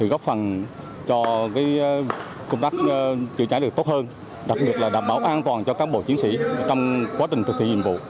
góp phần cho công tác chữa cháy được tốt hơn đặc biệt là đảm bảo an toàn cho cán bộ chiến sĩ trong quá trình thực hiện nhiệm vụ